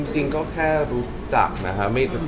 จริงก็แค่รู้จักนะฮะ